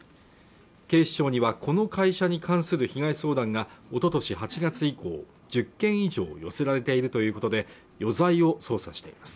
警視庁にはこの会社に関する被害相談がおととし８月以降１０件以上寄せられているということで余罪を捜査しています